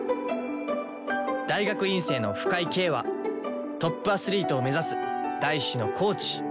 大学院生の深井京はトップアスリートを目指す大志のコーチ。